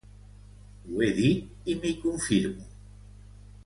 Ho he dit i m'hi confirmo.